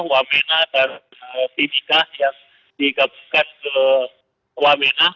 wamena dan timika yang digabungkan ke wamena